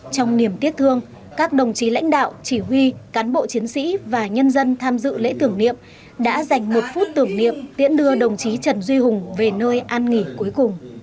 trong niềm tiếc thương các đồng chí lãnh đạo chỉ huy cán bộ chiến sĩ và nhân dân tham dự lễ tưởng niệm đã dành một phút tưởng niệm tiễn đưa đồng chí trần duy hùng về nơi an nghỉ cuối cùng